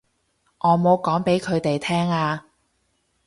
我冇講畀佢哋聽啊